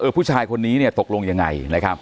เออผู้ชายคนนี้ตกลงยังไง